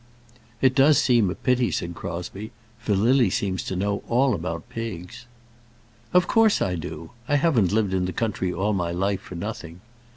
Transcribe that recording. "It does seem a pity," said Crosbie, "for Lily seems to know all about pigs." "Of course I do. I haven't lived in the country all my life for nothing.